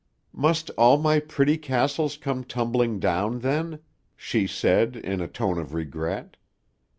"Must all my pretty castles come tumbling down, then?" she said, in a tone of regret.